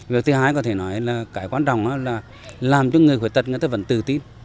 việc thứ hai có thể nói là cái quan trọng là làm cho người khuyết tật người ta vẫn tự tin